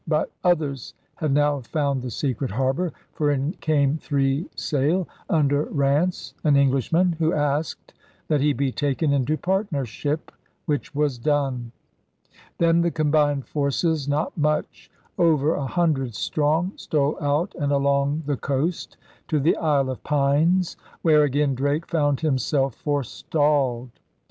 But others had now found the secret harbor; for in came three sail under Ranse, an Englishman, who asked that he be taken into partnership, which was done. Then the combined forces, not much over a hundred strong, stole out and along the coast to the Isle of Pines, where again Drake found him self forestalled.